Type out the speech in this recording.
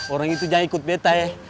orang itu jangan ikut beta ya